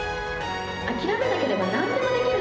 諦めなければなんでもできる。